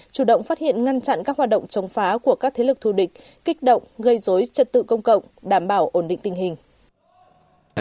chủ động phát hiện ngăn chặn các hoạt động chống phá của các thế lực thù địch kích động gây dối trật tự công cộng đảm bảo ổn định tình hình